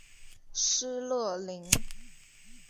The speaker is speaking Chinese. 施乐灵。